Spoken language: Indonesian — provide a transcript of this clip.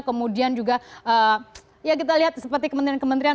kemudian juga ya kita lihat seperti kementerian kementerian